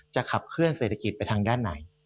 ขับเคลื่อเศรษฐกิจไปทางด้านไหน